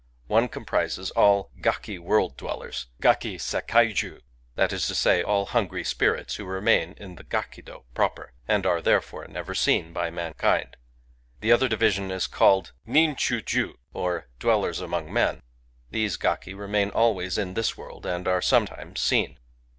One comprises all " Gaki World dwell ers " {Gaki'Sekai'Ju) ;— that is to say, all Hungry §pirits who remain in the Gakido proper^ and are, therefore^ never seen by mankind. The other division is called Nin chu juy or " Dwellers among men ": these gaki remain always in this worlds and are sometimes seen.